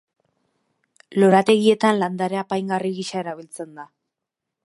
Lorategietan landare apaingarri gisa erabiltzen da.